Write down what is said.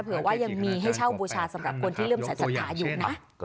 เผื่อว่ายังมีให้เช่าบูชาสำหรับคนที่เริ่มใส่ศรัทธาอยู่นะ